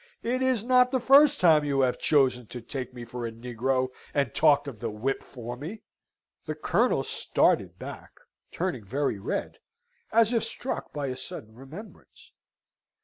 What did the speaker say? It is not the first time you have chosen to take me for a negro, and talked of the whip for me." The Colonel started back, turning very red, and as if struck by a sudden remembrance.